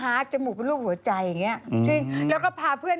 หมาหมาหมาหมาหมาหมาหมาหมาหมาหมาหมาหมา